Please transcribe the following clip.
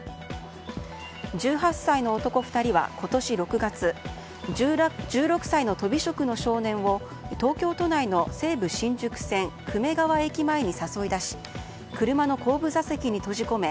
１８歳の男２人は、今年６月１６歳のとび職の少年を東京都内の西武新宿線久米川駅前に誘い出し車の後部座席に閉じ込め